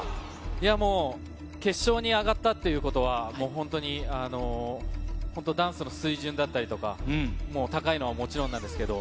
いやもう、決勝に上がったということは、もう本当に、本当、ダンスの水準だったりとか、もう高いのはもちろんなんですけど、